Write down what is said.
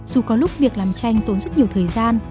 dù có lúc việc làm tranh tốn rất nhiều thời gian